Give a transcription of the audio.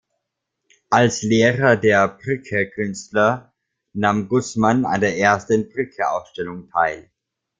Als Lehrer der Brücke-Künstler nahm Gussmann an der ersten Brücke-Ausstellung teil.